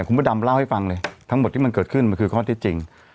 คุณพระดำเล่าให้ฟังเลยทั้งหมดที่มันเกิดขึ้นมันคือข้อที่จริง